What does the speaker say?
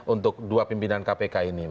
untuk dua pimpinan kpk ini